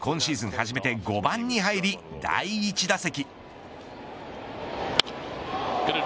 初めて５番に入り第１打席。